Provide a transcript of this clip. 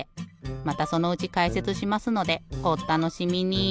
またそのうちかいせつしますのでおったのしみに。